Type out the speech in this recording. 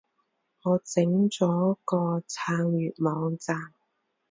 我整咗個撐粵網站